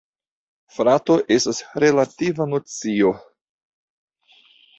Frato estas relativa nocio.